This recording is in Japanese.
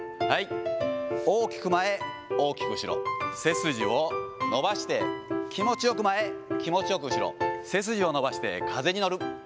はい、大きく前、大きく後ろ、背筋を伸ばして、気持ちよく前、気持ちよく後ろ、背筋を伸ばして風に乗る。